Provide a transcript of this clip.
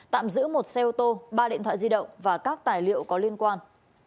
tạm giữ một xe ô tô ba điện thoại di động và các tài liệu có liên quan